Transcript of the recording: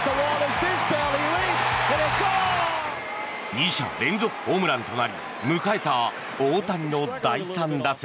２者連続ホームランとなり迎えた大谷の第３打席。